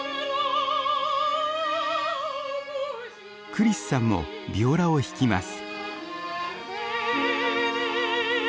クリスさんもビオラを弾きます。